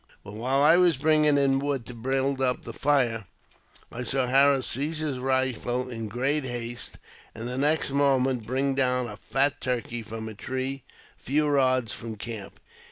But while I was bringing in wood to build up the fire, I saw Harris seize his rifle in great haste, and the next moment bring down a fat turkey from a tree a few rods from the camp.